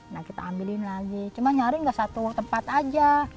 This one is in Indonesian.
nah kita ambilin lagi cuma nyari tidak satu tempat saja